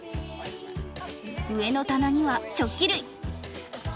上の棚には食器類。